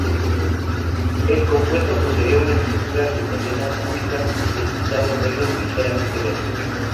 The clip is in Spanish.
El compuesto posee una estructura cristalina cúbica de cristales negros, ligeramente verdes.